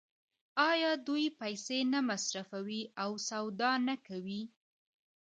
آیا دوی پیسې نه مصرفوي او سودا نه کوي؟